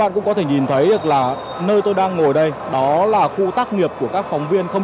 cũng có thể nhìn thấy được là nơi tôi đang ngồi đây đó là khu tác nghiệp của các phóng viên không